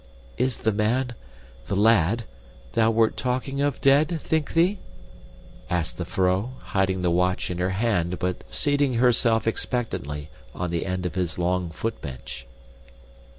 "Is the man the lad thou wert talking of dead, think thee?" asked the vrouw, hiding the watch in her hand but seating herself expectantly on the end of his long foot bench.